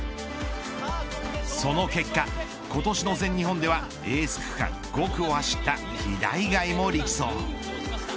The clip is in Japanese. その結果、今年の全日本ではエース区間、５区を走った飛田以外も力走。